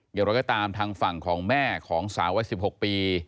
เดี๋ยวเราก็ตามทางฝั่งของแม่ของสาวไว้๑๖ปี